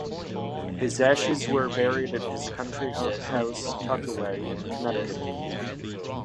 His ashes were buried at his country house "Tuckaway" in Connecticut.